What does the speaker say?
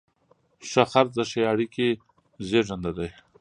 ښه خرڅ د ښې اړیکې زیږنده ده.